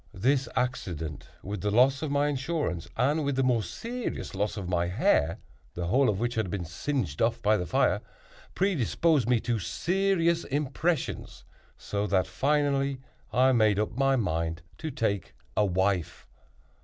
This accident, with the loss of my insurance, and with the more serious loss of my hair, the whole of which had been singed off by the fire, predisposed me to serious impressions, so that, finally, I made up my mind to take a wife.